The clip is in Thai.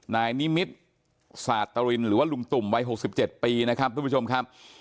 นายนิมิตรสาตรินหรือว่าลุงตุ่มวัย๖๗ปีนะครับทุกผู้ชมครับ